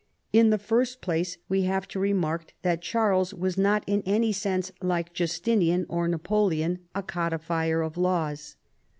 In the first place, we have to remark that Charles was not in any sense like Justinian or Napo leon, a codifier of laws.